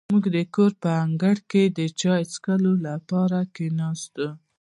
موږ د کور په انګړ کې د چای څښلو لپاره کېناستو.